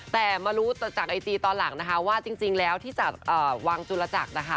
แต่มารู้จากไอจีตอนหลังนะคะว่าจริงแล้วที่จากวังจุลจักรนะคะ